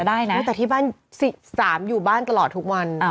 ได้นะแต่ที่บ้าน๓อยู่บ้านตลอดทุกวัน